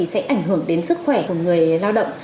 sẽ ảnh hưởng đến sức khỏe của người lao động